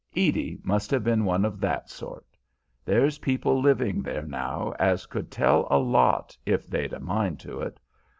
Edie must have been one of that sort. There's people living there now as could tell a lot if they'd a mind to it.